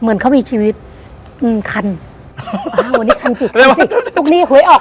เหมือนเขามีชีวิตอืมคันอ่าวันนี้คันสิคันสิพวกหนี้หวยออก